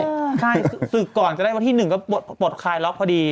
ใช่ศึกก่อนจะได้วันที่๑ก็ปลดคลายล็อกพอดี